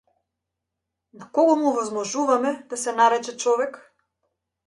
На кого му овозможуваме да се нарече човек?